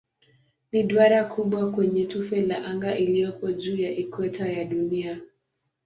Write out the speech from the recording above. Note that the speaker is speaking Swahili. Ni duara kubwa kwenye tufe la anga iliyopo juu ya ikweta ya Dunia.